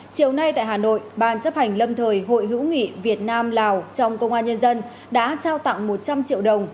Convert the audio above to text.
chiều nay tại hà nội ban chấp hành lâm thời hội hữu nghị việt nam lào trong công an nhân dân đã trao tặng một trăm linh triệu đồng